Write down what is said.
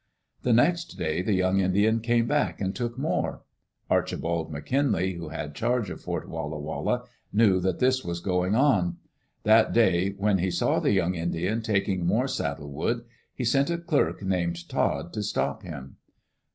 The next day the young Indian came back and took more. Archibald McKinlay, who had charge of Fort Walla Walla, knew that this was going on. That Digitized by VjOOQ IC EARLY DAYS IN OLD OREGON day, when he saw the young Indian taking more saddle wood, he sent a clerk named Todd to stop him.